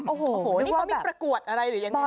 โอ้โหนี่เขามีประกวดอะไรหรือยังไง